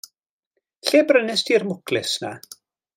Lle brynist ti'r mwclis 'na?